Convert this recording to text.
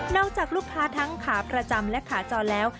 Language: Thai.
จากลูกค้าทั้งขาประจำและขาจรแล้ว